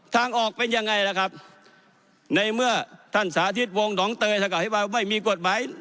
ทางออกเป็นยังไงล่ะครับในเมื่อท่านสาธิตวงศ์หนองเตยสกัดให้ไว้ว่าไม่มีกฎหมาย